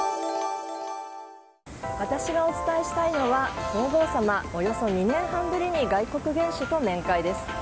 私がお伝えしたいのは皇后さま、およそ２年半ぶりに外国元首と面会です。